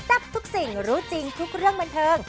ทับทุกสิ่งรู้จริงทุกเรื่องบันเทิง